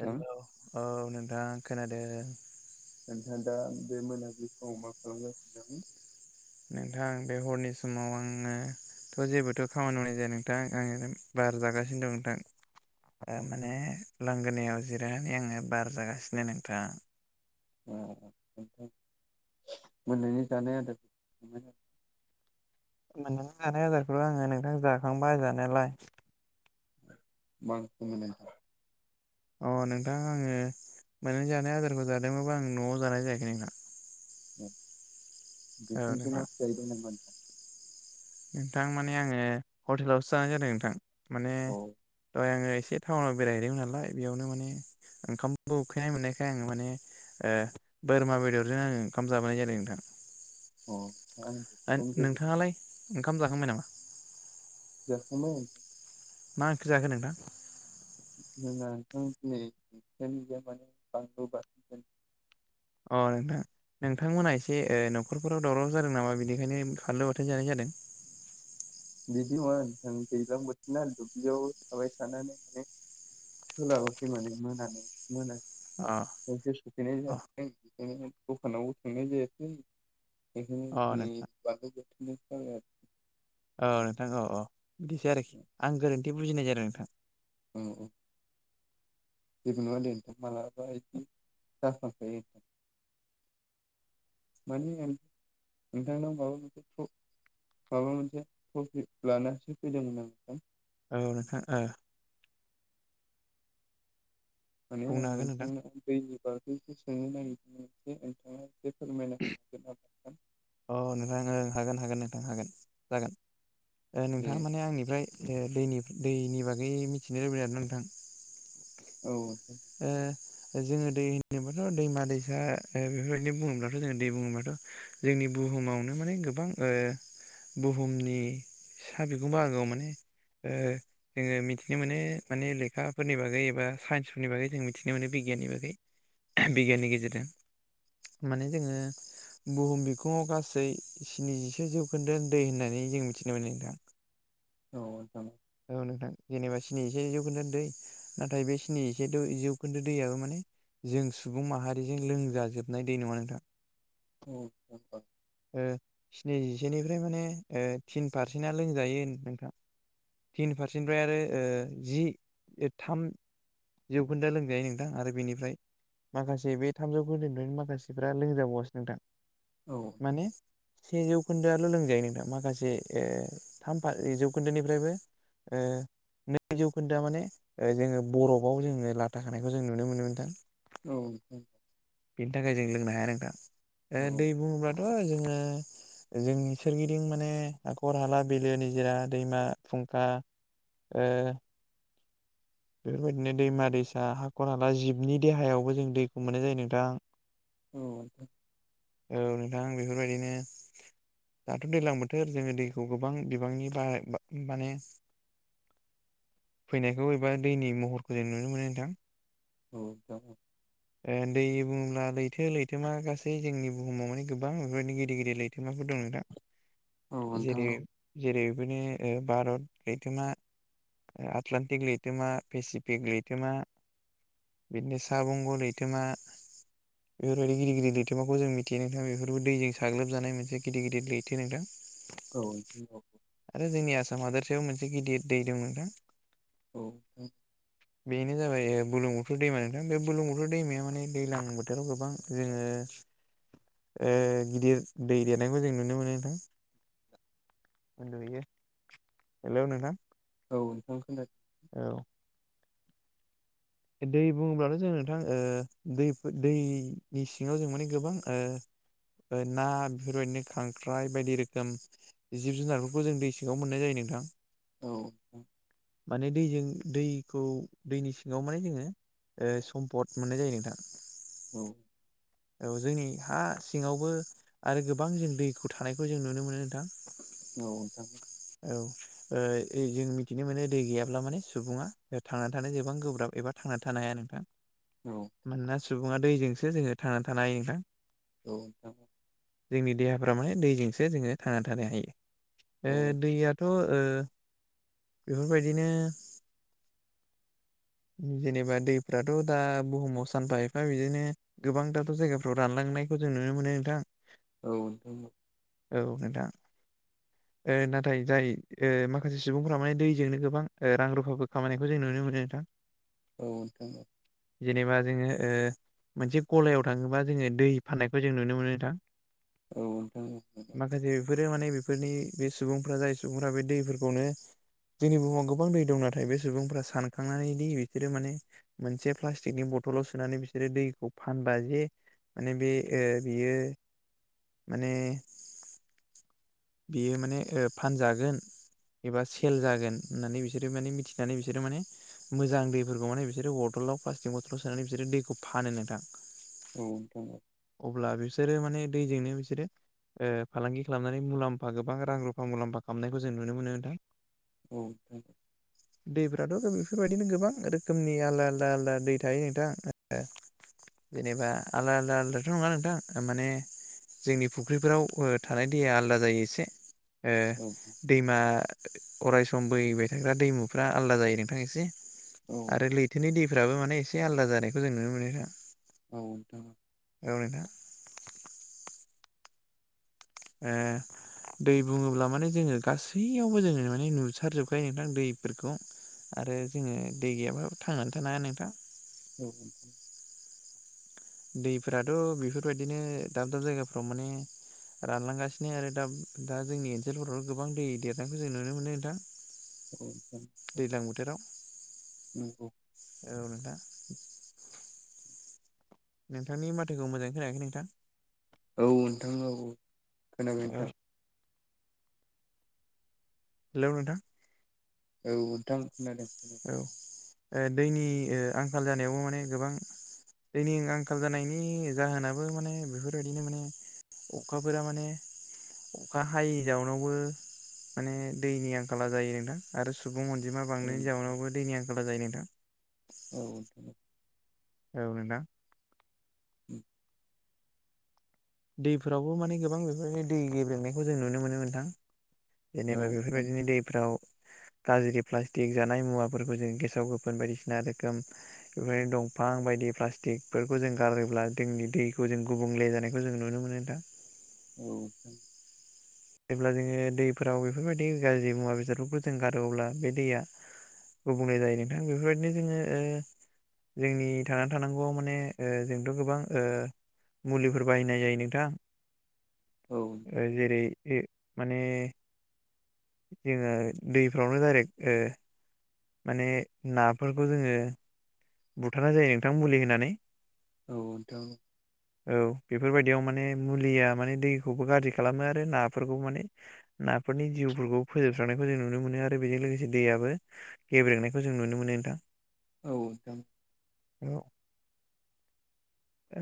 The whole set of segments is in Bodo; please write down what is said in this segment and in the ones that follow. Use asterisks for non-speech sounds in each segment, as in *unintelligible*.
हेल' औ नोंथां खोनादों *unintelligible* दा बे मोनाबिलि समाव खालामगासिनो नोंथां बे हरनि समाव आङो थ' जेबोथ' खामानि मावनाय जाया नोंथां आं बार जागासिनो दं नोंथां ओ औ माने लांगोनायाव जिरायनानै आङो बार जागासिनो नोंथां *unintelligible* मोननायनि जानाय *unintelligible* मोनानि जानाय आदारखौलाय आङो नोंथां जाखांबाय जानायालाय मा ओंख्रिमोन अ नोंथां आङो मोनानि जानाय आदारखौ जादोंबाबो आं न'आव जानाय जायाखै नोंथां ओम औ नोंथां बिखुनजोनावसो जाहैदों नामा नों नोंथां माने आङो हटेलावसो जानाय जादों नोंथां माने अ दहाय आङो एसे टाउनाव बेरायहैदोंमोन नालाय बेयावनो माने ओंखामखौ उखैनाय मोननायखाय आङो माने ए बोरमा बेदरजों आङो ओंखाम जाबोनाय जादों नोंथां अ आं ओ बेखौनो जेबो नोंथाङालाय ओंखाम जाखांबाय नामा जाखांबाय ओं मा ओंख्रि जाखो नोंथां जोंना नोंथां दिनै ओंख्रियानो गैया माने बांनलु बाथोनसो अ नोंथां नोंथांमोनहा एसे न'खरफोराव दावराव जादों नामा बिनिखायनो फानलु बाथोय जानाय जादों *unintelligible* बिदि नङा नोंथां दैज्लां बोथोरना दुब्लियाव थाबाय थानानै सोलाबसै माने मोनानो मोनै अ *unintelligible* सफैनाय अ जादों बिनिखायनो दखानावबो थांनाय जायाखै अ नोंथां *unintelligible* औ नोंथां औ औ बिदिसो आरोखि आं गोरोन्थि बुजिनाय जादों नोंथां औ औ जेबो नङा दे नोंथां मालाबा बिदि जाफ्रांखायो *unintelligible* नोंथांनाव *unintelligible* माबा मोनसे टपिक लानसो फैदोंमोन आं नोंथां औ नोंथां ओ माने आं बुंनो हागोन नोंथां दैनि बागैसो सोंनो नागिर नोंथाङा एसे फोरमायना होनो हागोनना अ नोंथां ओ हागोन हागोन नोंथां हागोन जागोन ओ नोंथाङा माने आंनिफ्राय दैनि दैनि बागै मिथिनो लुबैदों आरोना नोंथां औ ओ जोङो दै होनोबाथ' दैमा दैसा बेफोरबायदिनो ओ बुङोब्लाथ' जोङो दै बुङोबाथ' जोंनि बुहुमावनो माने गोबां ओ बुहुमनि सा बिखुंबा आगोआव माने ओ जोङो मिथिनो मोनो माने लेखाफोरनि बागै एबा साइन्सफोरनि बागै जों मिथिनो मोनो बि गियानि बागै बिगियाननि गेजेरजों माने जोङो बुुहुम बिखुङाव गासै स्निजिसे जौखोन्दो दै होननानै जों मिथिनो मोनो नोंथां औ नोंथां औ नोंथां जेनेबा स्निजिसे जौखोन्दो दै नाथाय बे स्निजिसे जौखोन्दो दैयाबो माने जों सुबुं माहारिजों लोंजाजोबनाय दै नङा नोंथां औ ओ स्निजिसेनिफ्राय माने थिन पारसेन्टा लोंजायो होन नोंथां थिन फारसेनिफ्राय आरो ओ जि थाम जौखोनदो लोंजायो नोंथां आरो बेनिफ्राय माखासे बे थामजौ खोनदोनिफ्रायनो माखासेफ्रा लोंजाबावासो नोंथां औ माने सेजौ जौखोनदोआल' लोंजायो नोंथां माखासे ओ थाम फा जौखोनदोनिफ्रायबो नै जौखोनदोया माने जोङो बरफयाव जोङो लाथााखानायखौ जों नुनो मोनो नोंथां औ बिनि थाखाय जों लोंनो हाया नोंथां ओ औ दै बुङोब्लाथ' जोङो जोंनि सोरगिदिं माने हाखर हाला बिलो निजोरा दैमा फुंखा ओ बेफोरबायदिनो दैमा दैसा हाखर हाला जिबनि देहायावबो जों दैखौ मोननाय जायो नोंथां औ नोंथां औ नोंथां बेफोरबायदिनो दाथ' दैज्लां बोथोर जोङो दैखौ गोबां बिबांनि ब माने फैनायखौ एबा दैनि महरखौ जों नुनो मोनो नोंथां औ नोंथां ओ दै बुङोब्ला लैथो लैथोमा गासै जोंनि बुहुमाव माने गोबां बेफोरनो गेदिर गिदिर लैथोमाफोर दङ नोंथां नोंथां जेरै औ जेरै बिनि ओ भारत लैथोमा ओ आटलान्टिक लैथोमा पेसिफिक लैथोमा बिदिनो साहा बंग' लैथोमा बेफोरबायदि गिदिर गिदिर लैथोमाखौ जों मिथि थियो नोंथां बेफोरबो दैजों साग्लोबजानाय मोनसे गिदिर गिदिर लैथो नोंथां औ औ सयाव मोनसे गिदिर दै दं नोंथां औ औ बेनो जाबाय बुरलुंबुथुर दैमा नोंथां बे बुलुं बुथुर दैमाया माने दैजलां बोथोराव गोबां जोङो ओ गिदिर दै देरनायखौ जों नुनो मोनो नोंथां मोन बैयो *unintelligible* हेलौ नोंथां औ नोंथांनो खोनादों औ दै बुङोब्लाथ' जों नोंथां ओ दै दैनि सिङाव जों माने गोबां ओ ना बेफोरबायदिनो खांख्राइ बायदि रोखोम जिब जुनारफोरखौ जों दै सिङाव मोननाय जायो नों थां औ औ माने दैजों दैखौ दैनि सि याव माने जोङो समपद मोननाय जायो नोंथां औ औ जोंनि हा सिङावबो आरो गोबां जों दैखौ थानायखौ जों नुनो मोनो नोंथां नोंथां औ नोंथां औ ओ जों मिथिनो मोनो दै गैयाब्ला माने सुबुङा थांनानै थानायानो गोबां गोब्राब एबा थां थांना थानो हाया नोंथां औ मानोना सुबुङा दैजोंसो जोङो थांना थानो हायो नोंथां औ नोंथां जोंनि देहाफ्रा माने दैजोंसो जोङो थांना थानो हायो औ ओ थ' बेफोरबायदिनो *inaudible* जेनेबा दैफ्राथ' दा बुहुमाव सानफा एफा बिदिनो गोबां दाथ' जायगाफ्राव रानलांनो नायखौ जों नुनो मोनो नोंथां औ नोंथां औ औ नोंथां ओ ना नाथाय जाय ओ माखासे सुबुंफ्रा माने दैजोंनो गोबां ओ रां रुफाबो खामायनायखौ जों नुनो मोनो नोंथां औ नोंथां जेनेबा जोङो मोनसे गलायाव थाङोबा जोङो दै फाननायखौ जों नुनो मोनो नोंथां औ नोंथां औ माखासे बेफोरो माने बेफोरनि बे सुबुं सुबुंफोरा जाय सुबुंफोरा बे दैफोरखौनो जोंनि बुहुमाव गोबां दै दं नाथाय बे सुबुंफ्रा सानखांनानै दि बिसोरो माने मोनसे प्लास्टिकनि बल बथलाव सोनानै बिसोरो दैखौ फानबा जे माने बे बियो माने बियो माने फानजागोन एबा सेल जागोन होननानै बिसोरो माने मिथिनानै बिसोरो माने मोजां दैफोरखौ माने बिसोरो बथल बाथलाव प्लासटिक बथलाव सोनानै बिसोरो दैखौ फानो नोंथां नोंथां अब्ला बिसोर माने दैजोंनो बिसोरो फालांगि खालामनानै मुलाम्फा गोबां रां रुफा मुलाम्फा खालामनायखौ जों नुनो मोनो नोंथां औ नोंथां दैफ्राथ' बेफोरबायदिनो गोबां रोखोमनि आलादा आलदा आलादा दै थायो नोंथां जेनेबा आलदा आलदा आलदाथ' नङा नोंथां माने जोंनि फुख्रिफोराव थानाय दैया आलादा जायो एसे औ दैमा अरायसम बोहैबाय थाग्रा दैमुफ्रा आलादा जायो नोंथां एसे औ आरो लैथोनि दैफ्राबो माने एसे आलादा जानायखौ जों नुनो मोनो् रा औ नोंथां' *inaudible* ए ओ दै बुङोब्ला माने जोङो गासैयावबो जोङो माने नुसारजोबखायो नोंथां दैफोरखौ आरो जोङो दै गैयाबा थांनानै थानो हाया नोंथां औ दैफोराथ' बेफोरबायदिनो दाब दाब जायगाफ्राव माने रानलांगासिनो आरो दा दा जोंनि ओनसोलफोराव गोबां दै देरनायखौ जों नुनो मोनो नोंथां। औ नंगौ ओ नोंथां नोंथांनि माथोखौ मोजाङै खोनायाखै नोंथां। औ नोंथां औ औ खोनाबाय औ नोंथां। हेलौ नोंथां औ नोंथां खोनादों। खोनादों औ दैनि आंखाल जानायावबो माने गोबां जोंनि आंखाल जानायनि जाहोनाबो माने बेफोरबायदिनो माने अखाफोरा माने अखा हायि जावनावबो माने दैनि आंखाला जायो नोंथां आरो। सुबुं अनजिमा औ बांनायनि नोंथां जाउनावबो दैनि आंखाल जायो नोंथां। औ नोंथां औ नोंथां औ नोंथां उम दैफोरावबो माने गोबां बेफोरबायदि दै गेबेंनायखौ जों नुनो मोनो मोनो नोंथां। औ नोंथां औ जेनेबा नोंथां बेफोरबायदिनो दैफोराव गाज्रि प्लास्टिक जानाय मुवाफोरखौ जों गेसाव गोफोन बायदिसिना रोखोम बेफोरनो दं। बिफां बायदि प्लास्टिकफोरखौ जों गारोब्ला जोंनि दैखौ जों गुबुंले जानाय बेखौ जों नुनो मोनो दा। औ नोंथां जेब्ला जोङो दैफोराव बेफोरबायदि गाज्रि मुवा बेसादफोरखौ जों गारो अब्ला बे दैया गुबुंनाय जायो नोंथां बेफोरबायदिनो जोङो जोंनि थांना थानांगौआव माने जोंथ' गोबां मुलिफोर बाहायनाय जायो नोंथां। औ नोंथां ओ जेरै माने जोङो दैफ्रावनो डाइरेक्ट माने नाफोरखौ जोङो बुथारनाय जायो नोंथां मुलि होनानै औ नोंथां औ बेफोरबायदियाव माने मुलिया माने दैखौबो गाज्रि खालामो आरो नाफोरखौ माने नाफोरनि जिउ खौ फोजोबस्रांनायखौ जों नुनो मोनो आरो बेजों लोगोसे दैयाबो गेब्रेनायखौ जों नुनो मोनो नोंथां। *inaudible*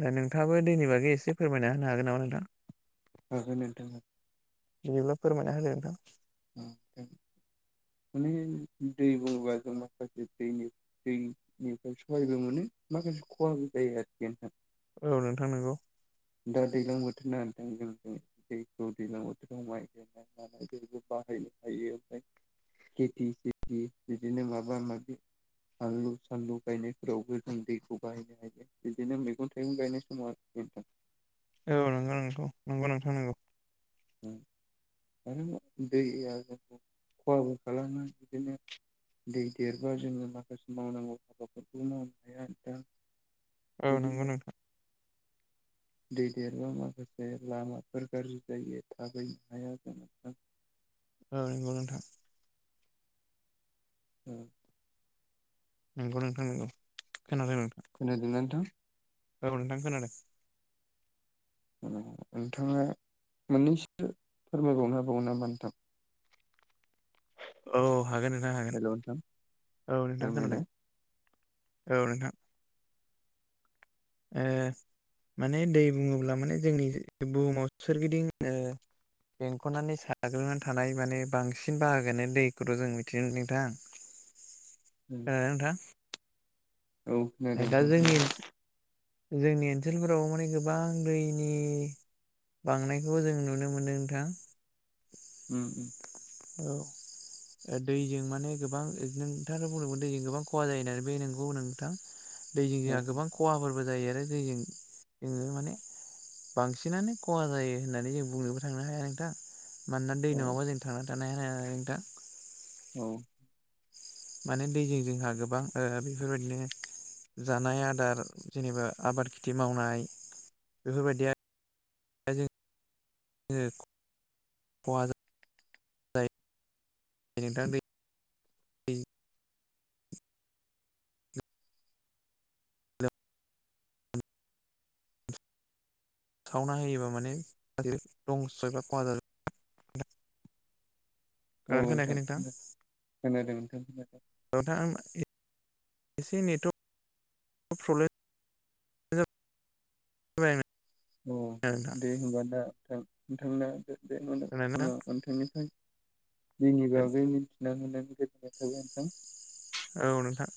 नोंथाङाबो दैनि बागै एसे फोरमायना होनो हागोन नामा नोंथां? हागोन नोंथां। बिदिब्ला फोरमायना होदो नोंथां। औ माने दै बुङोबा जों माखासे दैनि दैनिफ्राय सहायबो मोनो। माखासे खहा जायो आरोखि नोंथां। औ नोंथां नंगौ। दा दैलां बोथोर ना नोंथां *unintelligible* बाहायनो हायो। ओमफ्राय खेथि सिथि बिदिनो माबा माबि बानलु सानलु गायनायफोरावबो जों दैखौ बाहायनो हायो बिदिनो मैगं थाइगं गायनाय समाव *unintelligible* औ नोंथां नंगौ नंगौ नोंथां नंगौ उम आरो दै जों खहाबो खालामो बिदिनो दै देरबा जोङो माखासे मावनांगौ हाबाफोरखौ मावनो हाया दा औ नंगौ बिदिनो नोंथां दै देरबा माखासे लामाफोर गाज्रि जायो थाबायनो हाया जानो। औ नंगौ नोंथा उम नंगौ नोंथां नंगौ खोनादों नोंथां खोनादोंना नोंथां औ नोंथां खोनादों नोंथाङा मोननैसो फोरमायबावनो हाबावगोन नामा नोंथां औ हागोन नोंथां हागोन हेल' नोंथां औ नोंथां खोनादों फोरमायलाय औ नोंथां ओ माने दै बुङोब्ला माने जोंनि बुहुमाव सोरगिदिं ओ बेंखननानै साग्लोबनानै थानाय माने बांसिन बाहागोआनो दैखौथ' जों मिथियो नोंथां *inaudible* *unintelligible* नोंथां औ खोनादों दा नोंथां जोंनि खोनादों जोंनि ओनसोलफोराव माने गोबां दैनि बांनायखौबो जों नुनो मोन्दों नोंथां उ औ दैजों माने गोबां नोंथाङानो बुंदोंमोन दैजों गोबां खहा जायो होनना बे नंगौ नोंथां दैजों औ जोंहा गोबां खहाफोरबो जायो आरो दैजों जोङो माने बांसिनानो खहा जायो होननानै जों बुंनोबो थांनो हाया नोंथां मानोना दै औ नङाबा जों थांनानै थानो हाया नोंथां औ माने दैजों जोंहा गोबां ओ बेफोरबायदिनो जानाय आदार जेनेबा आबाद खेथि मावनाय बेफोरबायदि *unintelligible* नोंथां दै दै *unintelligible* औ नोंथां खोनादों नोंथां खोनादों नोंथां एसे नेटवर्क प्रब्लेम *unintelligible* औ नोंथां दे होनबा नोंथां नोंथांनो बे *unintelligible* खोनादोंना समाव नोंथां नोंथांनिफ्राय जोंनि बागै मिथिना मोननानै गोजोननाय थाबाय नोंथां औ नोंथां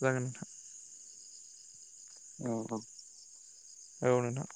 जागोन नोंथां औ औ औ नोंथां